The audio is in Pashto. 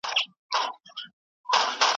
ټول اسناد په پوره دقت سره وکتل سول.